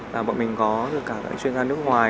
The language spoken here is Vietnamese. là bọn mình có cả các chuyên gia nước ngoài